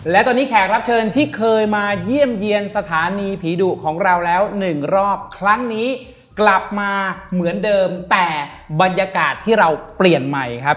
และตอนนี้แขกรับเชิญที่เคยมาเยี่ยมเยี่ยมสถานีผีดุของเราแล้วหนึ่งรอบครั้งนี้กลับมาเหมือนเดิมแต่บรรยากาศที่เราเปลี่ยนใหม่ครับ